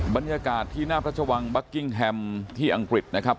บรรยากาศที่หน้าพระชวังบัคกิ้งแฮมที่อังกฤษนะครับ